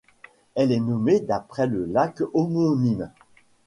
Elle est nommée d'après le lac homonyme.